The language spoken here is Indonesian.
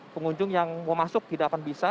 pengunjung yang mau masuk tidak akan bisa